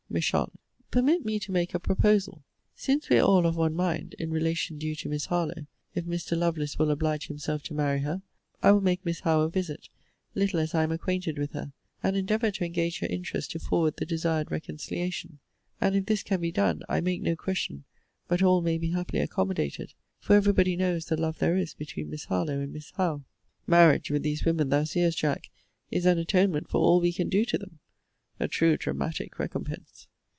Miss Charlotte. Permit me to make a proposal. Since we are all of one mind, in relation to the justice due to Miss Harlowe, if Mr. Lovelace will oblige himself to marry her, I will make Miss Howe a visit, little as I am acquainted with her; and endeavour to engage her interest to forward the desired reconciliation. And if this can be done, I make no question but all may be happily accommodated; for every body knows the love there is between Miss Harlowe and Miss Howe. MARRIAGE, with these women, thou seest, Jack, is an atonement for all we can do to them. A true dramatic recompense!